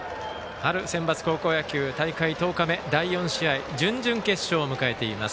春センバツ高校野球大会１０日目、第４試合準々決勝を迎えています。